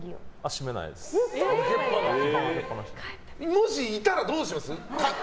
もし、いたらどうしますか。